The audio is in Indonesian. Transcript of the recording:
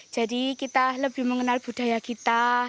jadi kita lebih mengenal budaya kita